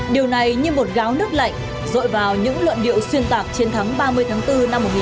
điều này như một gáo nước lạnh rội vào những luận điệu xuyên tạc trên tháng ba mươi tháng bốn năm một nghìn chín trăm linh